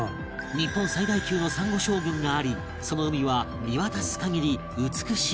日本最大級のサンゴ礁群がありその海は見渡す限り美しいエメラルドグリーン